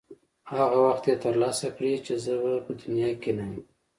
هغه وخت یې ترلاسه کړې چې زه به په دې دنیا کې نه یم.